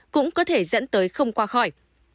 cũng có thể dẫn tới không qua khỏi